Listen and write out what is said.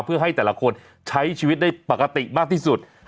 เพื่อให้แต่ละคนใช้ชีวิตได้ปกติมากที่สุด